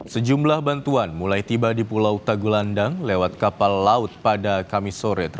sejumlah bantuan mulai tiba di pulau tagulandang lewat kapal laut pada kamis sore